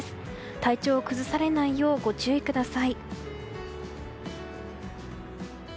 体調を崩されないようご注意ください。